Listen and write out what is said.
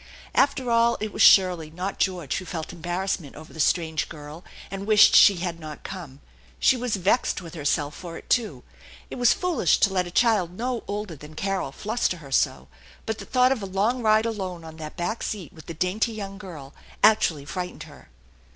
After all, it was Shirley, not George, who felt embarrass ment over the strange girl and wished she had not come. She was vexed with herself for it, too. It was foolish to let a child no older than Carol fluster her so, but the thought of a long ride alone on that back seat with the dainty young girl actually frightened her.